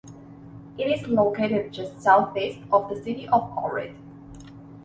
It is located just southeast of the city of Ohrid.